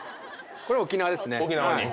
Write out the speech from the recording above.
これは沖縄ですね。